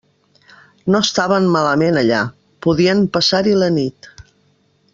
No estaven malament allà; podien passar-hi la nit.